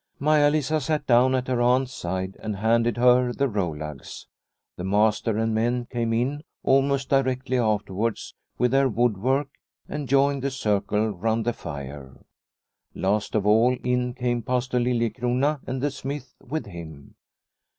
Maia Lisa sat down at her aunt's side and handed her the rolags. The master and men came in almost directly afterwards with their wood work and joined the circle round the fire. Last of all, in came Pastor Liliecrona and the smith with him.